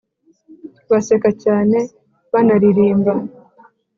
baseka cyane banaririmba